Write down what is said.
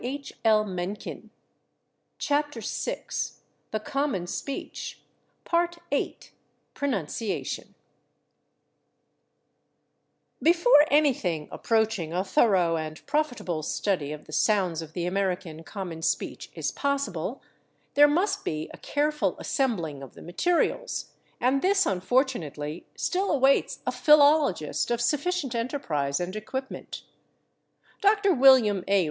It is found again in /a tall/, a liaison form of /at all/. § 8 /Pronunciation/ Before anything approaching a thorough and profitable study of the sounds of the American common speech is possible, there must be a careful assembling of the materials, and this, unfortunately, still awaits a philologist of sufficient enterprise and equipment. Dr. William A.